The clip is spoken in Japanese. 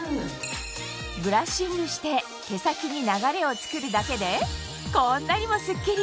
ブラッシングして毛先に流れを作るだけでこんなにもスッキリ！